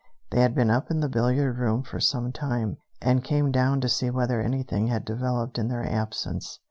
They had been up in the billiard room for some time, and came down to see whether anything had developed in their absence.